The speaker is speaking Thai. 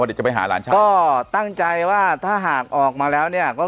เดี๋ยวจะไปหาหลานชายก็ตั้งใจว่าถ้าหากออกมาแล้วเนี่ยก็